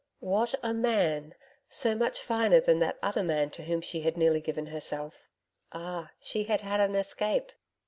What a MAN! So much finer than that other man to whom she had nearly given herself! Ah, she had had an escape!